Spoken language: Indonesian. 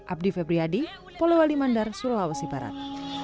abdi febriyadi polewali mandar sulawesi barat